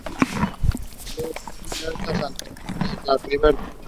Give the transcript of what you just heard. Tello Peón, Berta, Santa María la Ribera, Ed.